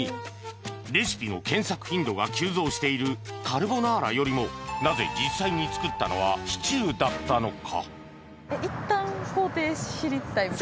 レシピの検索頻度が急増しているカルボナーラよりもなぜ実際に作ったのはシチューだったのか？